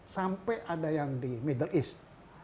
sampai ada yang di middle east